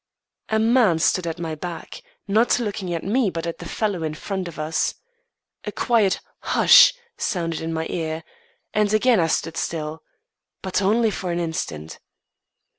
A man stood at my back not looking at me but at the fellow in front of us. A quiet "hush!" sounded in my ear, and again I stood still. But only for an instant.